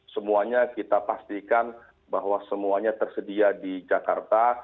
semuanya kita pastikan bahwa semuanya tersedia di jakarta